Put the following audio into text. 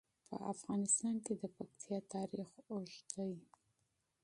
په افغانستان کې د پکتیا تاریخ اوږد دی.